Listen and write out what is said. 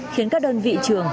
khiến các đơn vị trường